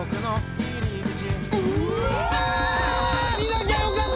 見なきゃよかった。